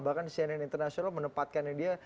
bahkan cnn international menempatkannya dia